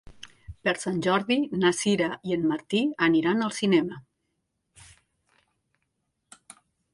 Per Sant Jordi na Sira i en Martí aniran al cinema.